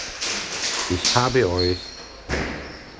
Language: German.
Ich habe euch!